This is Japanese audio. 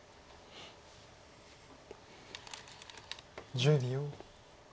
１０秒。